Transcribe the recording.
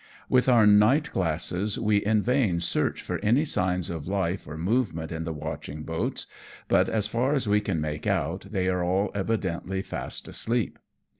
With our night glasses we in vain search for any 2o8 AMONG TYPHOONS AND PIRATE CRAPT. signs of life or movement in the watching boats ; but as far as we can make out, they are all evidently fast asleep.